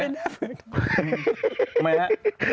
เห็นไหมนะ